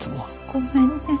ごめんね。